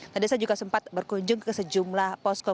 tadi saya juga sempat berkunjung ke sejumlah posko